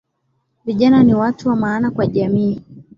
Vijana ni watu wa maana kwa jamii